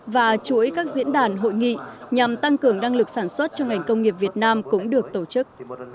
và chuỗi các diễn đàn hội nghị nhằm tăng cường năng lực sản xuất cho ngành công nghiệp việt nam cũng được tổ chức